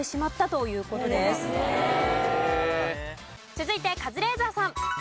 続いてカズレーザーさん。